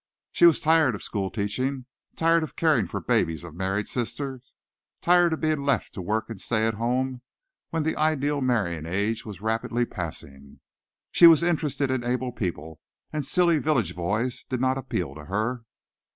She was tired of school teaching, tired of caring for the babies of married sisters, tired of being left to work and stay at home when the ideal marrying age was rapidly passing. She was interested in able people, and silly village boys did not appeal to her.